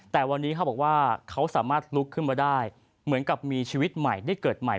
แต่วันนี้เขาบอกว่าเขาสามารถลุกขึ้นมาได้เหมือนกับมีชีวิตใหม่ได้เกิดใหม่